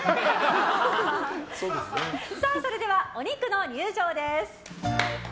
それでは、お肉の塊の入場です。